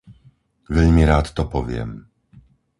Veľmi rád to poviem.